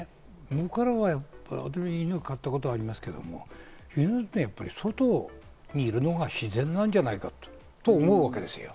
僕らも犬を飼ったことはありますけど、犬というのはやっぱり外にいるのが自然なんじゃないかと思うわけですよ。